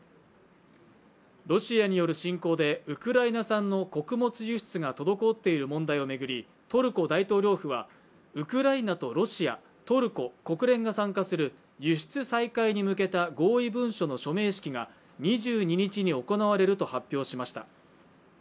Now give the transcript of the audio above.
ロシアによる侵攻でウクライナ産の穀物輸出が滞っている問題をめぐり、トルコ大統領府はウクライナとロシア、トルコ、国連が参加する輸出再開に向けた合意文書の署名式が２２日に行われると発表しました。